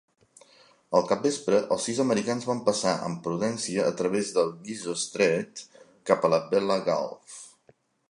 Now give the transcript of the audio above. Al capvespre, els sis americans van passar amb prudència a través del Gizo Strait cap al Vella Gulf.